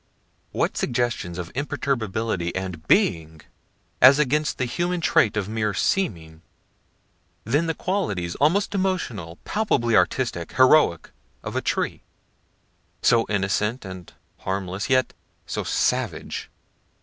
What suggestions of imperturbability and being, as against the human trait of mere seeming. Then the qualities, almost emotional, palpably artistic, heroic, of a tree; so innocent and harmless, yet so savage.